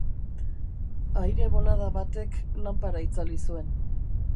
Aire bolada batek lanpara itzali zuen.